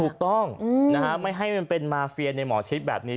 ถูกต้องไม่ให้มันเป็นมาเฟียในหมอชิดแบบนี้